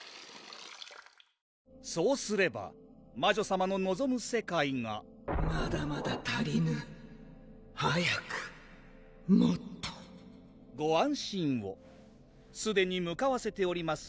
そうすれば魔女さまののぞむ世界がまだまだ足りぬ早くもっとご安心をすでに向かわせております